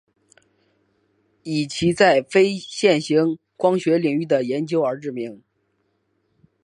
以其在非线性光学领域的研究而知名。